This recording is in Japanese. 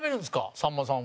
さんまさんは。